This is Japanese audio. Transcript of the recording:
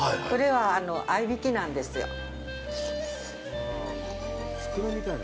これは合いびきなんですよ。